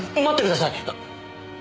待ってください！